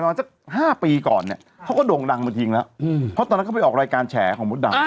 สัก๕ปีก่อนเนี่ยเขาก็โด่งดังมาทิ้งแล้วเพราะตอนนั้นเขาไปออกรายการแฉของมดดำ